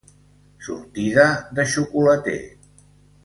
Sortida de xocolater.